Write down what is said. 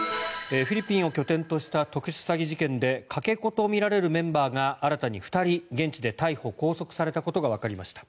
フィリピンを拠点とした特殊詐欺事件でかけ子とみられるメンバーが新たに２人現地で逮捕・拘束されたことがわかりました。